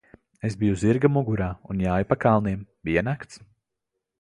Es biju zirga mugurā un jāju pa kalniem. Bija nakts.